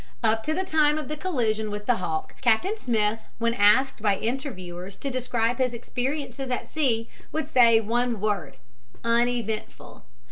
Up to the time of the collision with the Hawke Captain Smith when asked by interviewers to describe his experiences at sea would say one word, "uneventful."